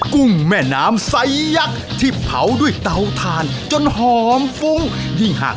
กินได้เลยใช่ไหม